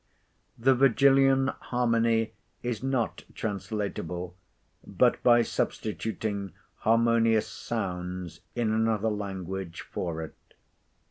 The Virgilian harmony is not translatable, but by substituting harmonious sounds in another language for it.